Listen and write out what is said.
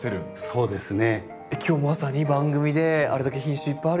そうですね。